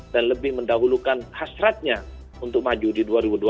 dan lebih mendahulukan hasratnya untuk maju di dua ribu dua puluh empat